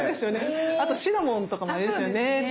あとシナモンとかもいいんですよね。